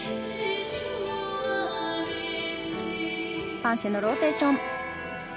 パンシェのローテーション。